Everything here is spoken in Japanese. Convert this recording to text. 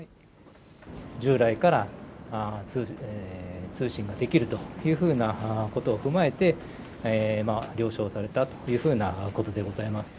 従来から通信ができるというふうなことを踏まえて、了承されたというふうなことでございます。